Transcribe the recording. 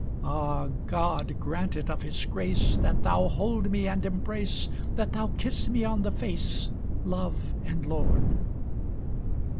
Ah God grant it of his grace, That thou hold me, and embrace, That thou kiss me on the face Love and lord!"